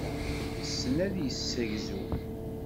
Yessen ad yessegzu.